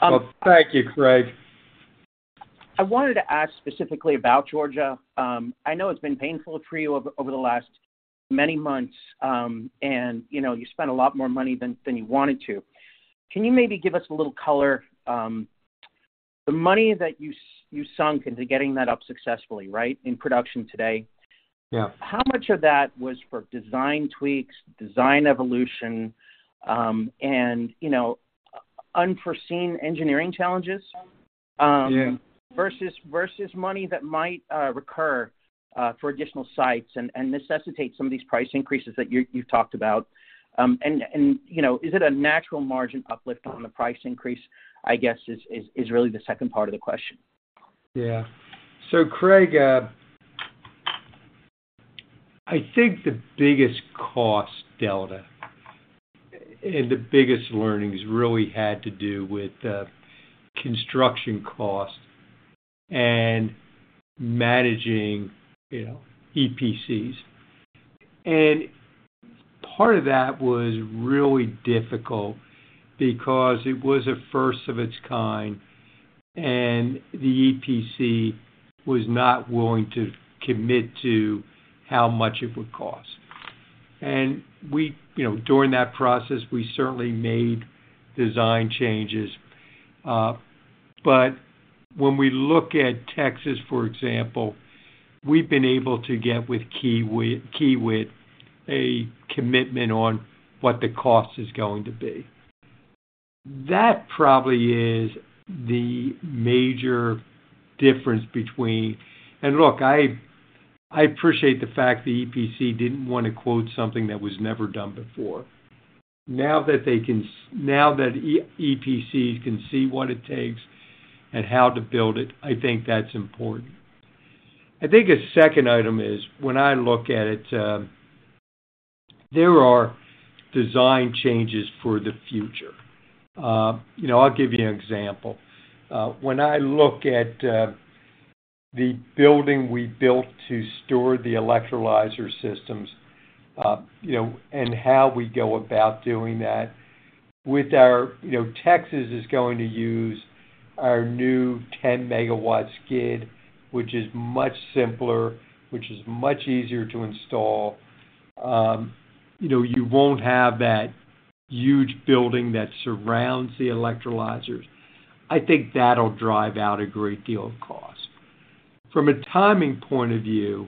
Well, thank you, Craig. I wanted to ask specifically about Georgia. I know it's been painful for you over the last many months, and you know, you spent a lot more money than you wanted to. Can you maybe give us a little color? The money that you sunk into getting that up successfully, right, in production today- Yeah. How much of that was for design tweaks, design evolution, and unforeseen engineering challenges? Yeah. Versus money that might recur for additional sites and necessitate some of these price increases that you've talked about. And you know, is it a natural margin uplift on the price increase? I guess is really the second part of the question. Yeah. So Craig, I think the biggest cost delta and the biggest learnings really had to do with, construction cost and managing, you know, EPCs. And part of that was really difficult because it was a first of its kind, and the EPC was not willing to commit to how much it would cost. And we—you know, during that process, we certainly made design changes, but when we look at Texas, for example, we've been able to get with Kiewit, Kiewit, a commitment on what the cost is going to be. That probably is the major difference between... And look, I, I appreciate the fact the EPC didn't want to quote something that was never done before. Now that they can—now that EPC can see what it takes and how to build it, I think that's important. I think a second item is, when I look at it, there are design changes for the future. You know, I'll give you an example. When I look at the building we built to store the electrolyzer systems, you know, and how we go about doing that, with our... You know, Texas is going to use our new 10 MW skid, which is much simpler, which is much easier to install. You know, you won't have that huge building that surrounds the electrolyzers. I think that'll drive out a great deal of cost. From a timing point of view,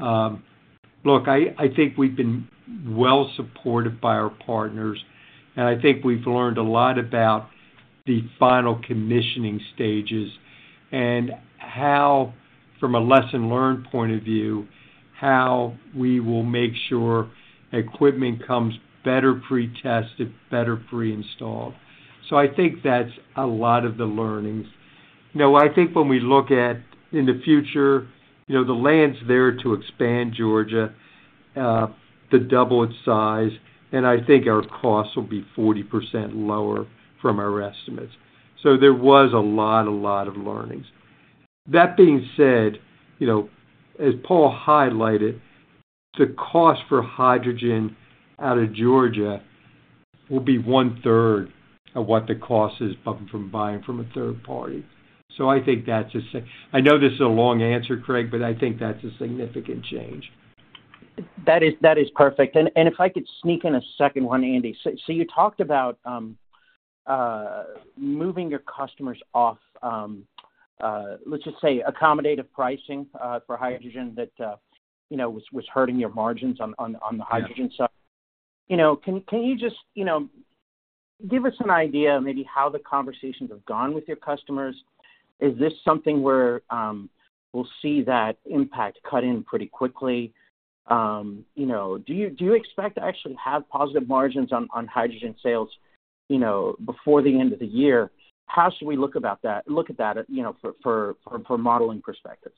look, I think we've been well supported by our partners, and I think we've learned a lot about the final commissioning stages and how, from a lesson learned point of view, how we will make sure equipment comes better pre-tested, better pre-installed. So I think that's a lot of the learnings. Now, I think when we look at in the future, you know, the land's there to expand Georgia to double its size, and I think our costs will be 40% lower from our estimates. So there was a lot, a lot of learnings. That being said, you know, as Paul highlighted, the cost for hydrogen out of Georgia will be 1/3 of what the cost is from buying from a third party. So I think that's a sig-- I know this is a long answer, Craig, but I think that's a significant change.... That is perfect. And if I could sneak in a second one, Andy. So you talked about moving your customers off, let's just say, accommodative pricing for hydrogen that, you know, was hurting your margins on the hydrogen side. You know, can you just, you know, give us an idea of maybe how the conversations have gone with your customers? Is this something where we'll see that impact cut in pretty quickly? You know, do you expect to actually have positive margins on hydrogen sales, you know, before the end of the year? How should we look at that, you know, for modeling perspective?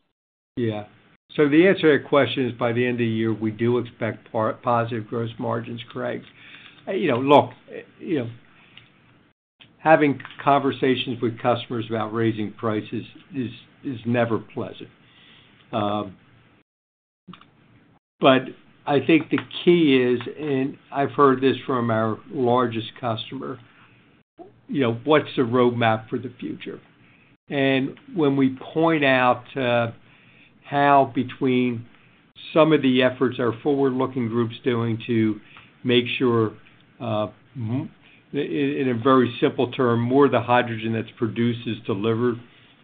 Yeah. So the answer to your question is, by the end of the year, we do expect positive gross margins, Craig. You know, look, you know, having conversations with customers about raising prices is never pleasant. But I think the key is, and I've heard this from our largest customer, you know, what's the roadmap for the future? And when we point out how between some of the efforts our forward-looking group's doing to make sure, in a very simple term, more of the hydrogen that's produced is delivered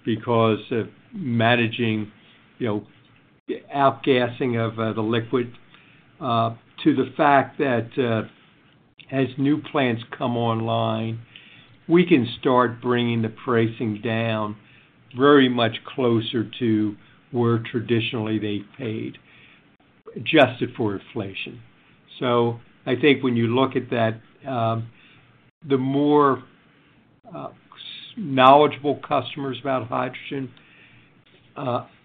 because of managing, you know, the outgassing of the liquid, to the fact that, as new plants come online, we can start bringing the pricing down very much closer to where traditionally they paid, adjusted for inflation. So I think when you look at that, the more knowledgeable customers about hydrogen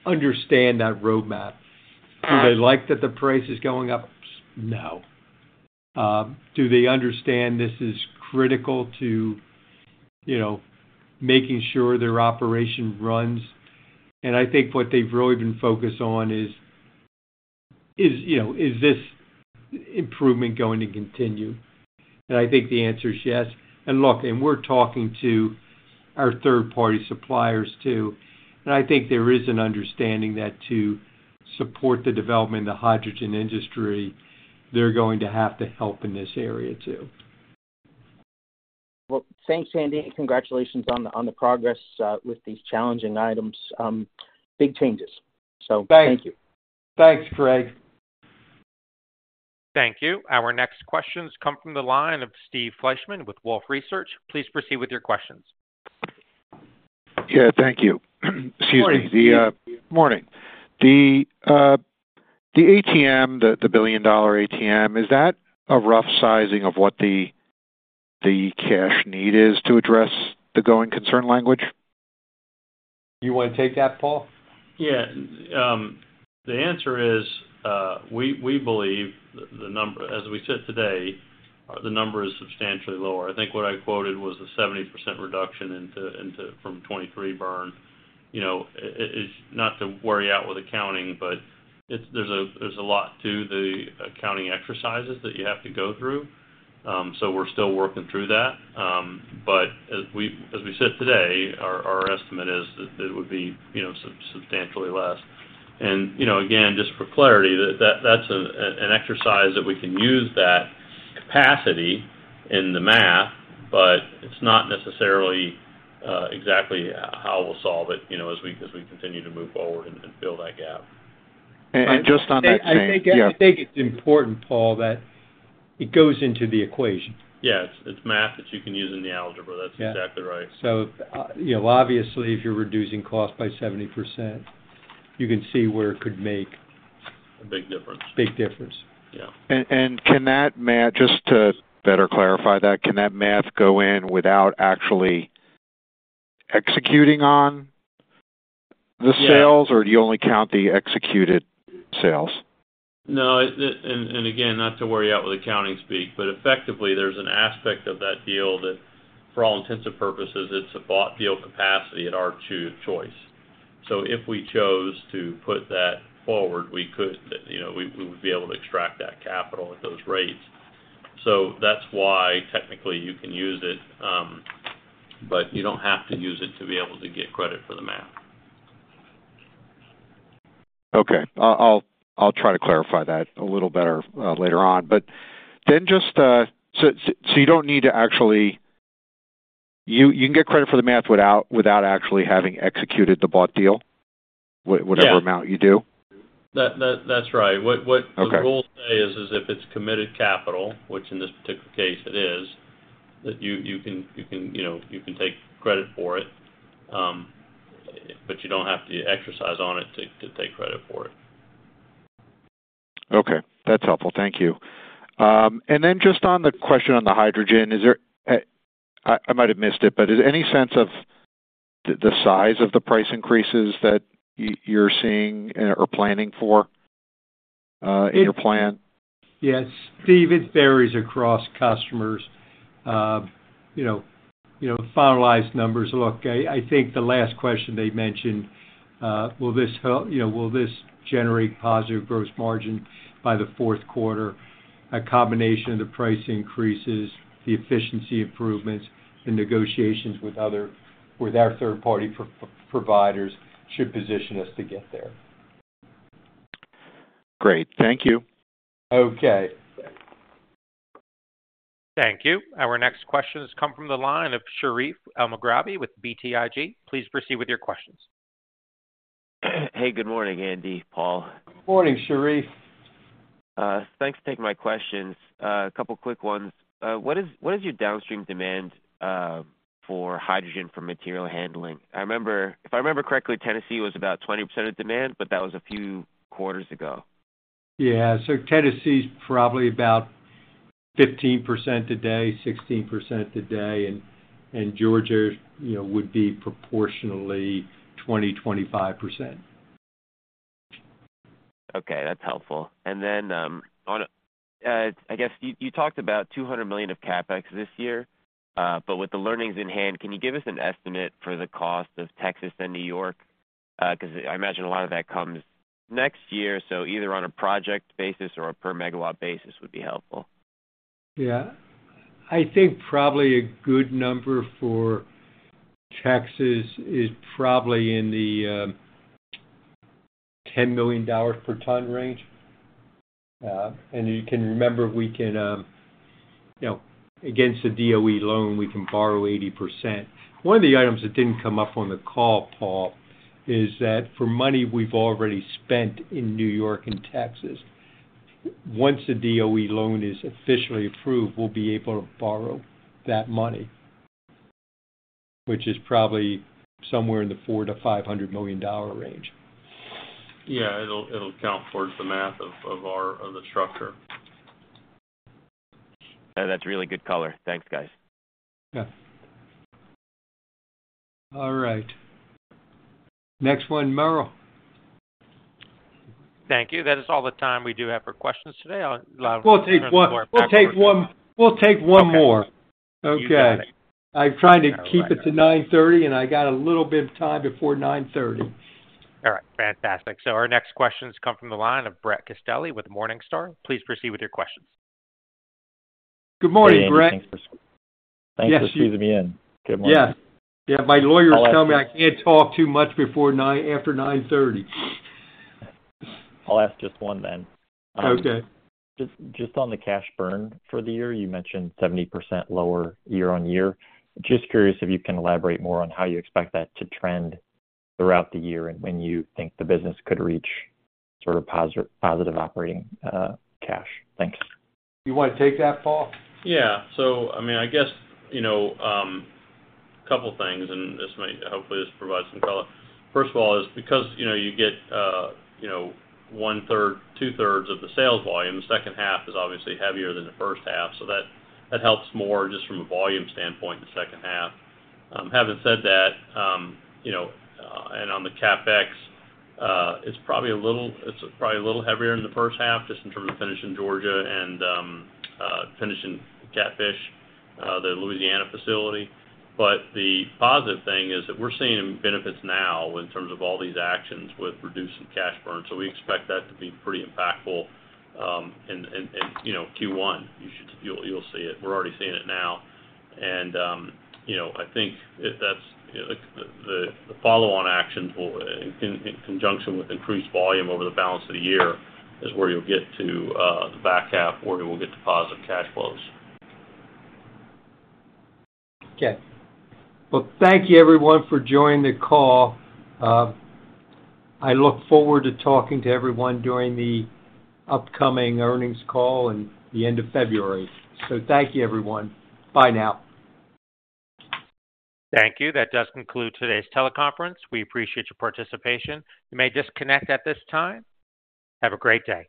understand that roadmap. Do they like that the price is going up? No. Do they understand this is critical to, you know, making sure their operation runs? And I think what they've really been focused on is, you know, is this improvement going to continue? And I think the answer is yes. And look, and we're talking to our third-party suppliers, too, and I think there is an understanding that to support the development of the hydrogen industry, they're going to have to help in this area, too. Well, thanks, Andy, and congratulations on the progress with these challenging items. Big changes. Thank you. Thank you. Thanks, Craig. Thank you. Our next questions come from the line of Steve Fleishman with Wolfe Research. Please proceed with your questions. Yeah, thank you. Excuse me. Morning, Steve. Morning. The ATM, the billion-dollar ATM, is that a rough sizing of what the cash need is to address the Going Concern language? You want to take that, Paul? Yeah. The answer is, we believe the number, as we sit today, the number is substantially lower. I think what I quoted was a 70% reduction into from 2023 burn. You know, it's not to worry out with accounting, but it's— there's a lot to the accounting exercises that you have to go through, so we're still working through that. But as we sit today, our estimate is that it would be, you know, substantially less. And, you know, again, just for clarity, that's an exercise that we can use that capacity in the math, but it's not necessarily exactly how we'll solve it, you know, as we continue to move forward and fill that gap. Just on that, yeah. I think it's important, Paul, that it goes into the equation. Yeah, it's math that you can use in the algebra. Yeah. That's exactly right. So, you know, obviously, if you're reducing cost by 70%, you can see where it could make- A big difference. Big difference. Yeah. And can that math... Just to better clarify that, can that math go in without actually executing on the sales? Yes. Or do you only count the executed sales? No, and again, not to bore you with accounting speak, but effectively, there's an aspect of that deal that, for all intents and purposes, it's a bought deal capacity at our choice. So if we chose to put that forward, we could, you know, we would be able to extract that capital at those rates. So that's why technically you can use it, but you don't have to use it to be able to get credit for the math. Okay. I'll try to clarify that a little better later on. But then, just... So you don't need to actually— you can get credit for the math without actually having executed the bought deal? Yeah. Whatever amount you do? That's right. Okay. What the rules say is if it's committed capital, which in this particular case it is, that you can, you know, take credit for it, but you don't have to exercise on it to take credit for it. Okay. That's helpful. Thank you. And then just on the question on the hydrogen, is there, I might have missed it, but is there any sense of the size of the price increases that you, you're seeing or planning for, in your plan? Yes. Steve, it varies across customers. You know, you know finalized numbers. Look, I think the last question they mentioned will this help, you know, will this generate positive gross margin by the fourth quarter? A combination of the price increases, the efficiency improvements, the negotiations with other with our third-party providers should position us to get there. Great. Thank you. Okay.... Thank you. Our next question has come from the line of Sherif Elmaghrabi with BTIG. Please proceed with your questions. Hey, good morning, Andy, Paul. Morning, Sherif. Thanks for taking my questions. A couple of quick ones. What is, what is your downstream demand for hydrogen for material handling? I remember, if I remember correctly, Tennessee was about 20% of demand, but that was a few quarters ago. Yeah. So Tennessee is probably about 15% today, 16% today, and, and Georgia, you know, would be proportionally 20%-25%. Okay, that's helpful. And then, on, I guess you, you talked about $200 million of CapEx this year, but with the learnings in hand, can you give us an estimate for the cost of Texas and New York? 'Cause I imagine a lot of that comes next year, so either on a project basis or a per megawatt basis would be helpful. Yeah. I think probably a good number for Texas is probably in the $10 million per ton range. And you can remember, we can, you know, against the DOE loan, we can borrow 80%. One of the items that didn't come up on the call, Paul, is that for money we've already spent in New York and Texas, once the DOE loan is officially approved, we'll be able to borrow that money, which is probably somewhere in the $400 million-$500 million range. Yeah, it'll count towards the math of our structure. That's really good color. Thanks, guys. Yeah. All right. Next one, Merrill. Thank you. That is all the time we do have for questions today. I'll allow- We'll take one. We'll take one. We'll take one more. Okay. Okay. You got it. I'm trying to keep it to 9:30 A.M., and I got a little bit of time before 9:30 A.M. All right, fantastic. So our next question comes from the line of Brett Castelli with Morningstar. Please proceed with your questions. Good morning, Brett. Thanks for squeezing me in. Good morning. Yes. Yeah, my lawyer tell me I can't talk too much before 9:00 A.M.--after 9:30 A.M. I'll ask just one then. Okay. Just on the cash burn for the year, you mentioned 70% lower year-on-year. Just curious if you can elaborate more on how you expect that to trend throughout the year and when you think the business could reach sort of positive operating cash. Thanks. You want to take that, Paul? Yeah. So I mean, I guess, you know, a couple of things, and this might—hopefully, this provides some color. First of all, is because, you know, you get, you know, 1/3, 2/3 of the sales volume, the second half is obviously heavier than the first half, so that, that helps more just from a volume standpoint in the second half. Having said that, you know, and on the CapEx, it's probably a little—it's probably a little heavier in the first half, just in terms of finishing Georgia and, finishing Catfish, the Louisiana facility. But the positive thing is that we're seeing benefits now in terms of all these actions with reducing cash burn. So we expect that to be pretty impactful, and, and, you know, Q1, you should—you, you'll see it. We're already seeing it now. You know, I think if that's the follow-on actions will, in conjunction with increased volume over the balance of the year, is where you'll get to the back half, where we'll get to positive cash flows. Okay. Well, thank you, everyone, for joining the call. I look forward to talking to everyone during the upcoming earnings call in the end of February. So thank you, everyone. Bye now. Thank you. That does conclude today's teleconference. We appreciate your participation. You may disconnect at this time. Have a great day.